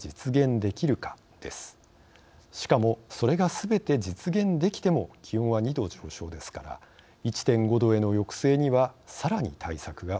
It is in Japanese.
しかもそれがすべて実現できても気温は２℃上昇ですから１．５℃への抑制にはさらに対策が不足しています。